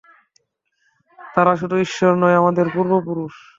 তারা শুধু ঈশ্বর নয়, আমাদের পূর্বপুরুষ।